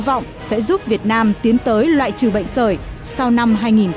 hi vọng sẽ giúp việt nam tiến tới loại trừ bệnh sởi sau năm hai nghìn hai mươi